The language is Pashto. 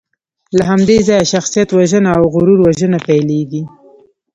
له همدې ځایه شخصیتوژنه او غرور وژنه پیلېږي.